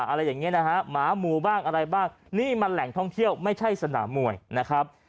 อะไรอย่างนี้นะฮะหมาหมู่บ้างอะไรบ้างนี่มันแหล่งท่องเที่ยวไม่ใช่สนามมวยนะครับ